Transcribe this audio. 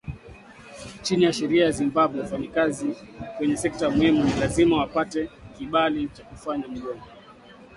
Chini ya sheria ya Zimbabwe wafanyakazi kwenye sekta muhimu ni lazima wapate kibali cha kufanya mgomo